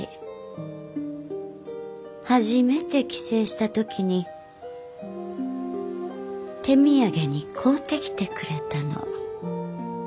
初めて帰省した時に手土産に買うてきてくれたの。